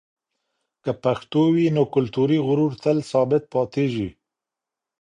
که پښتو وي، نو کلتوري غرور تل ثابت پاتېږي.